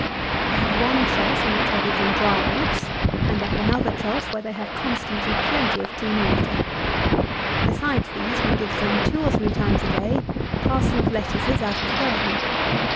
They have one trough in which I give them dry oats, and they have another trough where they have constantly plenty of clean water. Besides these, we give them, two or three times a day, a parcel of lettuces out of the garden.